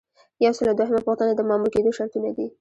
یو سل او دوهمه پوښتنه د مامور کیدو شرطونه دي.